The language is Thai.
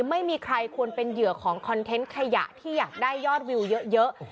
ไม่มีใครควรเป็นเหยื่อของคอนเทนต์ขยะที่อยากได้ยอดวิวเยอะ